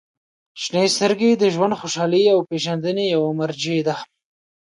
• شنې سترګې د ژوند خوشحالۍ او پېژندنې یوه مرجع ده.